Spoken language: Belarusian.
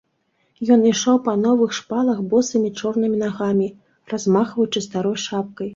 Ён ішоў па новых шпалах босымі чорнымі нагамі, размахваючы старой шапкай.